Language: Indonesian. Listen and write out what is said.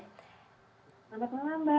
selamat malam mbak